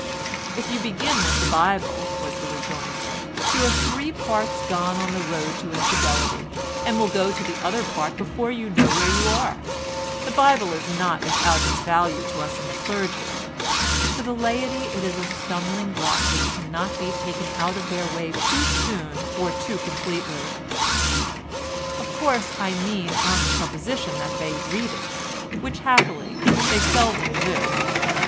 "If you begin with the Bible," was the rejoinder, "you are three parts gone on the road to infidelity, and will go the other part before you know where you are. The Bible is not without its value to us the clergy, but for the laity it is a stumbling block which cannot be taken out of their way too soon or too completely. Of course, I mean on the supposition that they read it, which, happily, they seldom do.